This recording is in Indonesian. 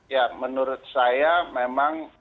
ya menurut saya memang